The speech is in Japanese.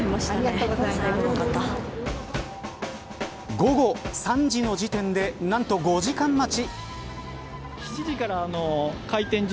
午後３時の時点で何と５時間待ち。